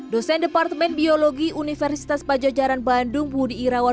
dosen departemen biologi universitas pajajaran bandung budi irawan